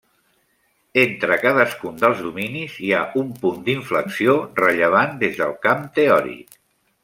Entre cadascun dels dominis, hi ha un punt d'inflexió rellevant des del camp teòric.